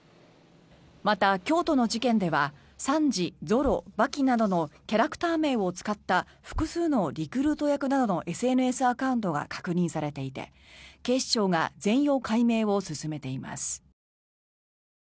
また、京都の事件ではサンジ、ゾロ、刃牙などのキャラクター名を使った複数のリクルート役などのＳＮＳアカウントが確認されていて警視庁が全容解明を進めています。